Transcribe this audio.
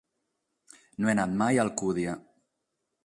No he anat mai a Alcúdia.